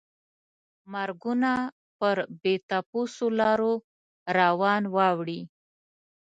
مرګونه پر بې تپوسو لارو روان واوړي.